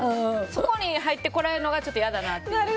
そこに入ってこられるのがちょっと嫌だなって。